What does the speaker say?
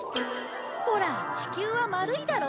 ほら地球は丸いだろ？